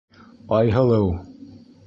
Айһылыу!